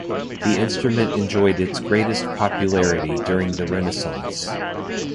The instrument enjoyed its greatest popularity during the Renaissance.